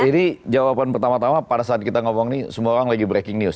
jadi jawaban pertama tama pada saat kita ngomong ini semua orang lagi breaking news